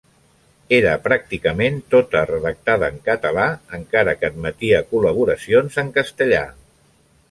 Era pràcticament tota redactada en català encara que admetia col·laboracions en castellà.